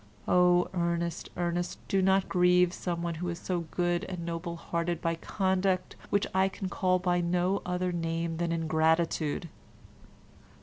Oh, Ernest, Ernest, do not grieve one who is so good and noble hearted by conduct which I can call by no other name than ingratitude."